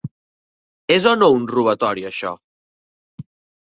És o no un robatori això?